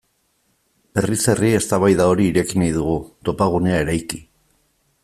Herriz herri eztabaida hori ireki nahi dugu, topagunea eraiki.